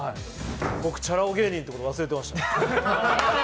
僕チャラ男芸人ってことを忘れてました。